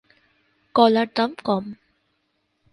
কলার দাম কম।